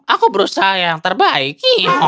aku berusaha yang terbaik